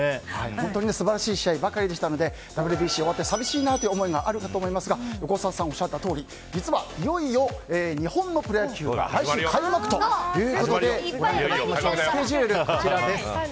本当に素晴らしい試合ばかりでしたのでＷＢＣが終わって寂しいなという思いがあるかと思いますが横澤さんがおっしゃったようにいよいよ日本のプロ野球が来週開幕ということでスケジュールがこちらです。